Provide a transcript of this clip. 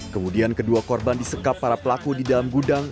kemudian kedua korban disekap para pelaku di dalam gudang